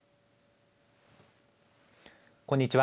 こんにちは。